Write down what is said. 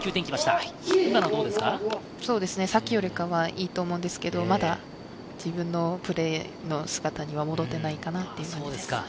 さっきよりはいいと思うんですけど、まだ自分のプレーの姿には戻ってないかなと。